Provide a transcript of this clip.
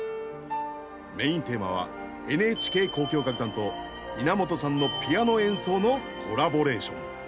メインテーマはＮＨＫ交響楽団と稲本さんのピアノ演奏のコラボレーション。